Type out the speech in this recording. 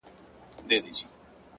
زه ومه ويده اكثر _